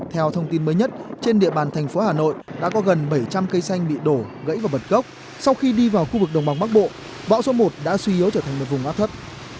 theo thông tin mới nhất trên địa bàn thành phố hà nội đã có gần bảy trăm linh cây xanh bị đổ gãy vào bật gốc sau khi đi vào khu vực đồng bằng bắc bộ bão số một đã suy yếu trở thành một vùng áp thấp